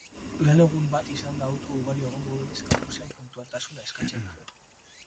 Lan egun bat izanda auto ugari egongo denez campusean puntualtasuna eskatzen da.